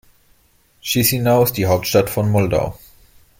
Chișinău ist die Hauptstadt von Moldau.